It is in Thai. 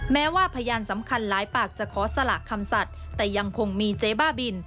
แม้ว่าพยานสำคัญหลายปากจะขอสละคำสัตว์แต่ยังคงมีเจ๊บ้าบิน